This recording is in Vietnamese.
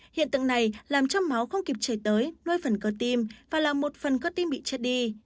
hiện tượng này làm cho máu không kịp chảy tới nuôi phần cơ tim và là một phần cơ tim bị chết đi